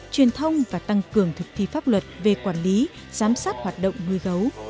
truyền thông và tăng cường thực thi pháp luật về quản lý giám sát hoạt động nuôi gấu